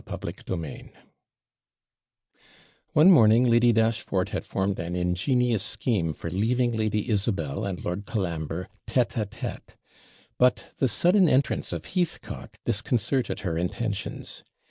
CHAPTER VIII One morning Lady Dashfort had formed an ingenious scheme for leaving Lady Isabel and Lord Colambre TETE A TETE; but the sudden entrance of Heathcock disconcerted her intentions.